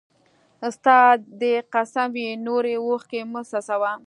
ستا! دي قسم وي نوري اوښکي مه څڅوه